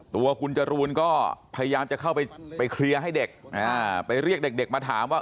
ตัวคุณจรูนก็พยายามจะเข้าไปเคลียร์ให้เด็กไปเรียกเด็กมาถามว่า